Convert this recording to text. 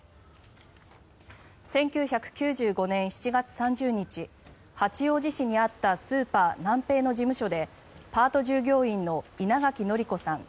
１９９５年７月３０日八王子市にあったスーパーナンペイの事務所でパート従業員の稲垣則子さん